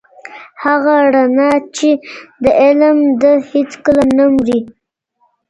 هغه رڼا چي د علم ده هېڅکله نه مري.